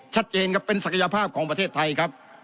ชัดเจนครับเป็นศักยภาพของประเทศไทยครับ